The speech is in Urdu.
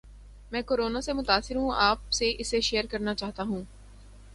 میں کورونا سے متاثر ہوں اپ سے اسے شیئر کرنا چاہتا ہوں